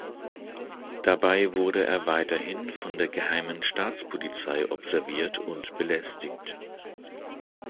Dabei wurde er weiterhin von der Geheimen Staatspolizei observiert und belästigt.